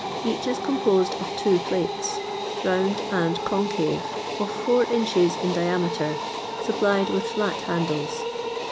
Each is composed of two plates, round and concave, of four inches in diameter, supplied with flat handles.